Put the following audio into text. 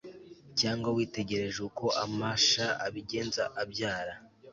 cyangwa witegereje uko amasha abigenza abyara